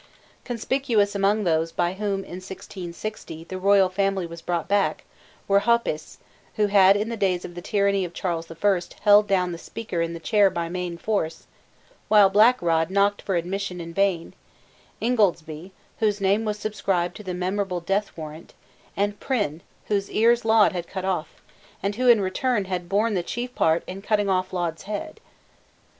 Conspicuous among those by whom, in 1660, the royal family was brought back, were Hopis, who had in the days of the tyranny of Charles the First held down the Speaker in the chair by main force, while Black Rod knocked for admission in vain; Ingoldsby, whose name was subscribed to the memorable death warrant; and Prynne, whose ears Laud had cut off, and who, in return, had borne the chief part in cutting off Laud's head.